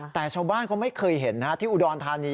แต่ชาวบ้านเขาไม่เคยเห็นที่อุดรธานี